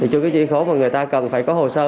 chữ ký số mà người ta cần phải có hồ sơ